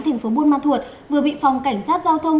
thành phố buôn ma thuột vừa bị phòng cảnh sát giao thông